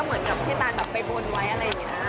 เหมือนที่ตานแบบไปบนไว้อะไรอย่างนี้